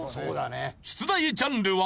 出題ジャンルは。